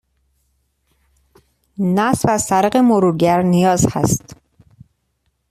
نصب از طریق مرورگر نیاز هست